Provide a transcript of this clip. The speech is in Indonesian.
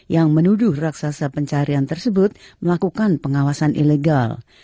yang menuduh raksasa pencarian tersebut melakukan pengawasan ilegal